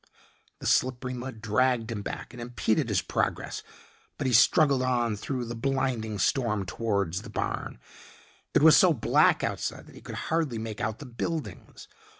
The slippery mud dragged him back and impeded his progress, but he struggled on through the blinding storm towards the barn. It was so black outside that he could hardly make out the buildings.